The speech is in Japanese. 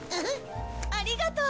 ありがとう！